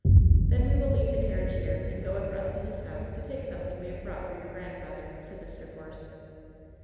"Then we will leave the carriage here and go across to his house, to take something we have brought for your grandfather," said Mr. Force.